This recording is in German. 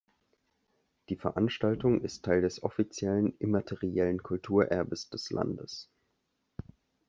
Die Veranstaltung ist Teil des offiziellen immateriellen Kulturerbes des Landes.